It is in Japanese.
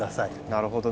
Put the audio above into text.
なるほど。